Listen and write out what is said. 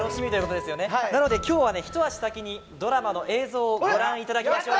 なので今日はね一足先にドラマの映像をご覧いただきましょう。